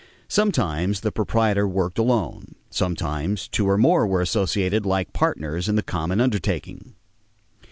Sometimes the proprietor worked alone. Sometimes two or more were associated like partners in the common undertaking.